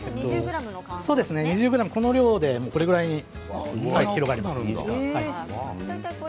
２０ｇの量でこれぐらいいっぱいに広がります。